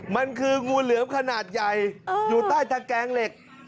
มันคืองูเหลือมขนาดใหญ่อยู่ใต้ตะแกงเหล็ก